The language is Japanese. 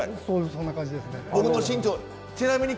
そんな感じですね。